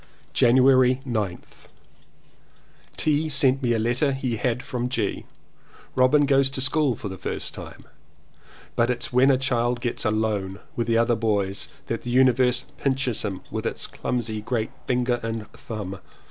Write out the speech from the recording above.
January 9th. T. sent me a letter he had from G. "Robin goes to school for the first time; but it's when a child gets 'alone' with the other boys that the Universe pinches him with its clumsy great finger and thumb.